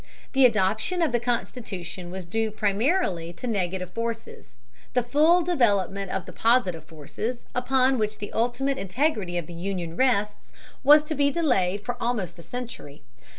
The adoption of the Constitution was due primarily to negative forces; the full development of the positive forces, upon which the ultimate integrity of the union rests, was to be delayed for almost a century.